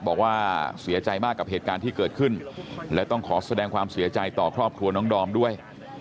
บอกว่าเสียใจมากกับเหตุการณ์ที่เกิดขึ้นและต้องขอแสดงความเสียใจต่อครอบครัวน้องดอมด้วย